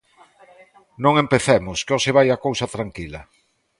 Non empecemos, que hoxe vai a cousa tranquila.